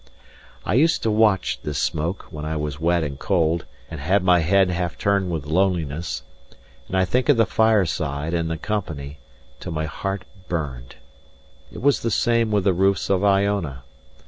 I used to watch this smoke, when I was wet and cold, and had my head half turned with loneliness; and think of the fireside and the company, till my heart burned. It was the same with the roofs of Iona.